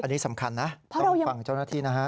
อันนี้สำคัญนะต้องฟังเจ้าหน้าที่นะฮะ